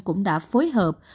cũng đã phối hợp